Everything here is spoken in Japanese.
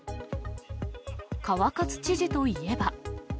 川勝知事といえば。